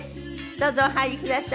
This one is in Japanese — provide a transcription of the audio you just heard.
どうぞお入りください。